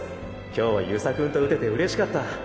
今日は遊佐君と打てて嬉しかった。